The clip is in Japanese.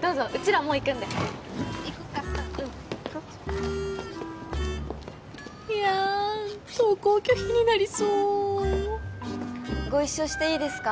どうぞうちらもう行くんで行こっかうん行こうやーん登校拒否になりそご一緒していいですか？